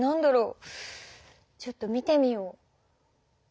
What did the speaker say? ちょっと見てみよう。